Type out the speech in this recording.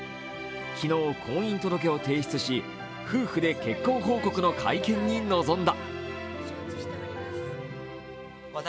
昨日、婚姻届を提出し夫婦で結婚報告の会見に臨んだ。